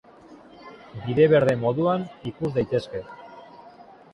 Bide berde moduan ikus daitezke.